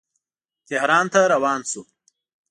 تهران ته روان شو.